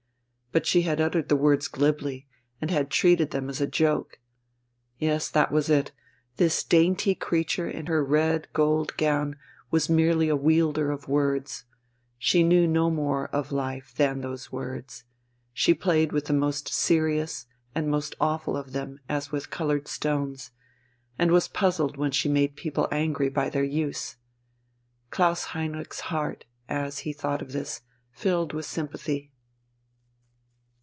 But she had uttered the words glibly, and had treated them as a joke. Yes, that was it, this dainty creature in her red gold gown was merely a wielder of words; she knew no more of life than those words, she played with the most serious and most awful of them as with coloured stones, and was puzzled when she made people angry by their use. Klaus Heinrich's heart, as he thought of this, filled with sympathy.